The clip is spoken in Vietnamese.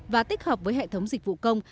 và tích hợp với hệ thống dịch vụ công